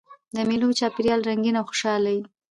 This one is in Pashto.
د مېلو چاپېریال رنګین او خوشحاله يي.